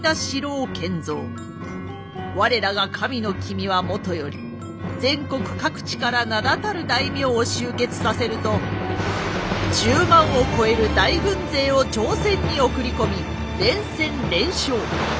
我らが神の君はもとより全国各地から名だたる大名を集結させると１０万を超える大軍勢を朝鮮に送り込み連戦連勝